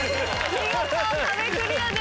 見事壁クリアです。